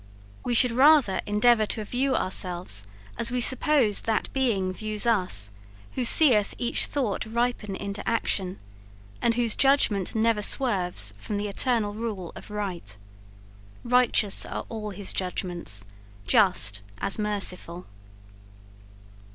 We should rather endeavour to view ourselves, as we suppose that Being views us, who seeth each thought ripen into action, and whose judgment never swerves from the eternal rule of right. Righteous are all his judgments just, as merciful!